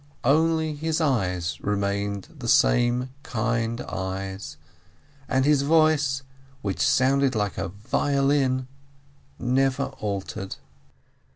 Only his eyes remained the same kind eyes, and his voice, which sounded like a violin, never altered.